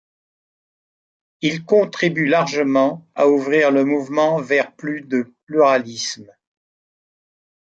Il contribue largement à ouvrir le mouvement vers plus de pluralisme.